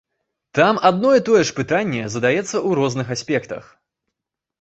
Там адно і тое ж пытанне задаецца ў розных аспектах.